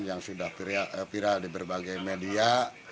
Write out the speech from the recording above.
yang sudah viral di berbagai media